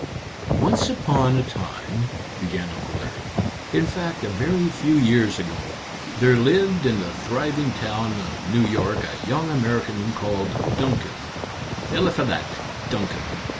"Once upon a time," began Uncle Larry "in fact, a very few years ago there lived in the thriving town of New York a young American called Duncan Eliphalet Duncan.